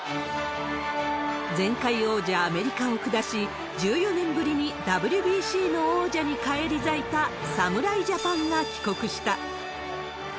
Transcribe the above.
前回王者、アメリカを下し、１４年ぶりにＷＢＣの王者に返り咲いた侍ジャパンが帰国した。